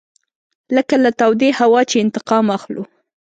لکه له تودې هوا چې انتقام اخلو.